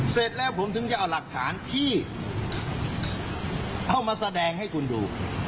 เสร็จแล้วผมถึงจะเอาหลักฐานที่เอามาแสดงให้คุณดู